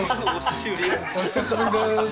お久しぶりです。